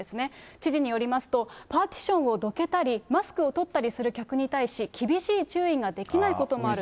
知事によりますと、パーティションをどけたり、マスクを取ったりする客に対し、厳しい注意ができないこともある。